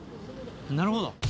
なるほど。